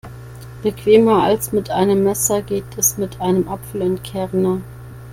Bequemer als mit einem Messer geht es mit einem Apfelentkerner.